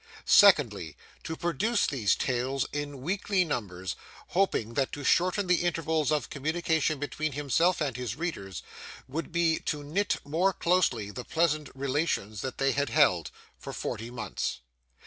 Secondly. To produce these Tales in weekly numbers, hoping that to shorten the intervals of communication between himself and his readers, would be to knit more closely the pleasant relations they had held, for Forty Months.